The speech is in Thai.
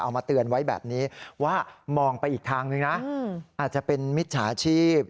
มาเตือนไว้แบบนี้ว่ามองไปอีกทางนึงนะอาจจะเป็นมิจฉาชีพ